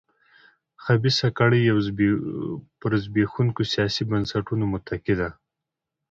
خبیثه کړۍ پر زبېښونکو سیاسي بنسټونو متکي ده.